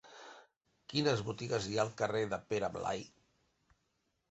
Quines botigues hi ha al carrer de Pere Blai?